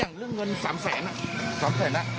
อย่างเรื่องเงิน๓๐๐๐๐นะ